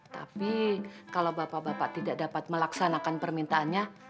tapi kalau bapak bapak tidak dapat melaksanakan permintaannya